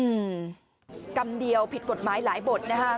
ความความต้องการทำเดียวผิดกฎหมายหลายบทนะคะ